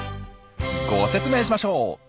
ご説明しましょう！